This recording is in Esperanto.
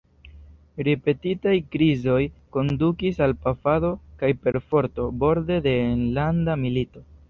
Ripetitaj krizoj kondukis al pafado kaj perforto, borde de enlanda milito.